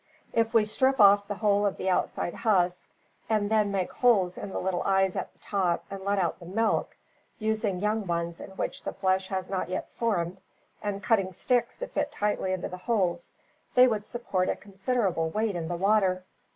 If we strip off the whole of the outside husk, and then make holes in the little eyes at the top and let out the milk, using young ones in which the flesh has not yet formed, and cutting sticks to fit tightly into the holes, they would support a considerable weight in the water.